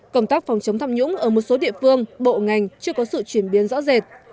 công tác phòng chống tham nhũng ở một số địa phương bộ ngành chưa có sự chuyển biến rõ rệt